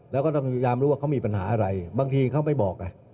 แล้วก็ต้องพยายามรู้ว่าเขามีปัญหาอะไรบางทีเขาไม่บอกไง